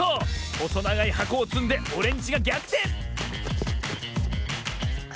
ほそながいはこをつんでオレンジがぎゃくてん！